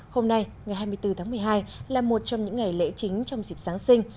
hôm nay ngày hai mươi bốn tháng một mươi hai là một trong những ngày lễ chính trong dịp giáng sinh